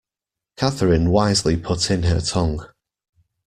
Catherine wisely put in her tongue.